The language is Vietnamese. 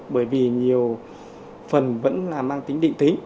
bởi vì nhiều phần vẫn là mang tính định tính